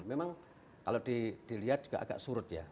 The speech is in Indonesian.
memang kalau dilihat juga agak surut ya